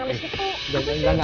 mau berenang disitu